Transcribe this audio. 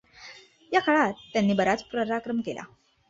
या काळात त्यांनी बराच पराक्रम केला.